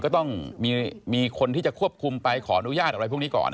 ก็ต้องมีคนที่จะควบคุมไปขออนุญาตอะไรพวกนี้ก่อน